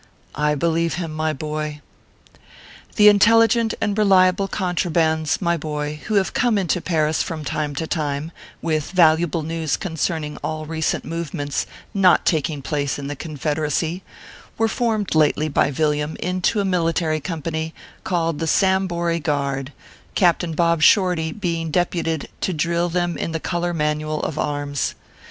I believe him., my boy. The intelligent and reliable contrabands, my boy, who have come into Paris from time to time, with valuable news concerning all recent movements not taking place in the Confederacy, were formed lately by Villiam, into a military company, called the Sam bory Guard, Captain Bob Shorty being deputed to drill them in the colored manual of arms.